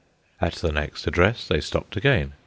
At the next address they stopped again.